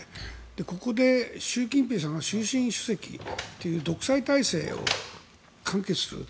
ここで習近平さんが終身主席という独裁体制を完結する。